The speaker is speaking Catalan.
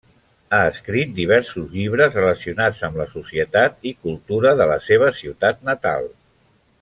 Ha escrit diversos llibres relacionats amb la societat i cultura de la seva ciutat natal.